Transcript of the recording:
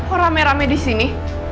orang merame disini